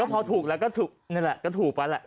พอถูกแล้วก็ถูกนี่แหละก็ถูกไปแหละ